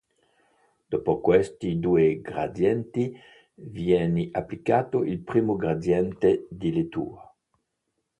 Dopo questi due gradienti, viene applicato il primo gradiente di lettura.